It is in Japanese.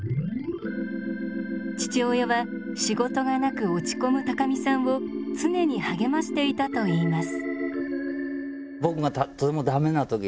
父親は仕事がなく落ち込む高見さんを常に励ましていたといいます。